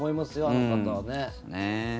あの方はね。